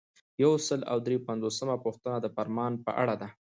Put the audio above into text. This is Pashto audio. یو سل او درې پنځوسمه پوښتنه د فرمان په اړه ده.